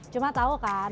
cuma tau kan